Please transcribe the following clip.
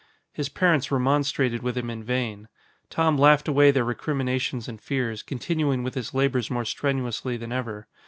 His parents remonstrated with him in vain. Tom laughed away their recriminations and fears, continuing with his labors more strenuously than ever.